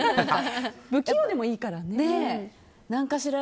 不器用でもいいからね。何かしら。